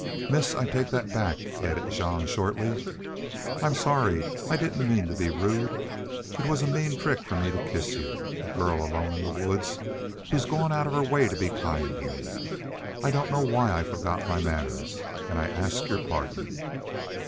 "Miss, I take that back," added Jean, shortly. "I'm sorry. I didn't mean to be rude. It was a mean trick for me to kiss you. A girl alone in the woods who's gone out of her way to be kind to me! I don't know why I forgot my manners. An' I ask your pardon."